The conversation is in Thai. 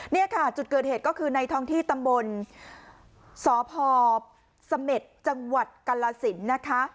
นี่ค่ะจุดเกิดเหตุก็คือในท้องที่ตำบลสพเสม็ดจังหวัดกรสินนะคะ